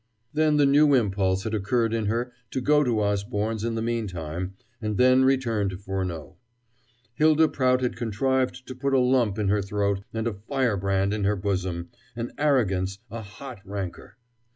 Then the new impulse had occurred in her to go to Osborne's in the meantime, and then return to Furneaux. Hylda Prout had contrived to put a lump in her throat and a firebrand in her bosom, an arrogance, a hot rancor.